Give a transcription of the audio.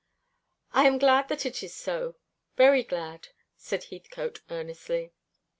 "I am glad that it is so, very glad," said Heathcote earnestly.